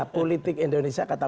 politik indonesia kata